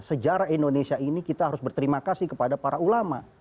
sejarah indonesia ini kita harus berterima kasih kepada para ulama